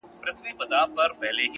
نه په لاس كي وو اثر د خياطانو٫